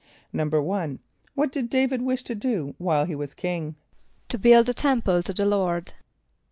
=1.= What did D[=a]´vid wish to do while he was king? =To build a temple to the Lord.